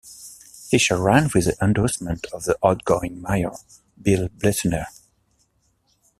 Fischer ran with the endorsement of the outgoing mayor Bill Blesener.